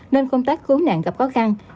nên công tác cứu nạn gặp khó khăn